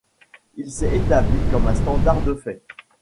Il s'est établi comme un standard de fait.